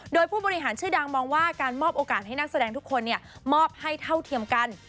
โดยผู้บริหารชื่อดังมองว่าการมอบโอกาสให้นักแสดงทุกคนมอบให้เท่าเทียมกัน